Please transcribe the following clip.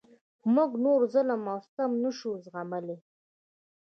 موږ نور ظلم او ستم نشو زغملای.